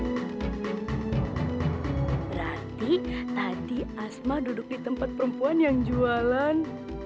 berarti tadi asma duduk di tempat perempuan yang jualan